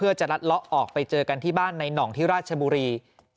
เพื่อจะลัดเลาะออกไปเจอกันที่บ้านในหน่องที่ราชบุรี